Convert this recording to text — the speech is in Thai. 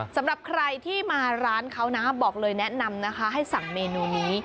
สำหรับใครที่มาร้านเขานะบอกเลยแนะนำนะคะให้สั่งเมนูนี้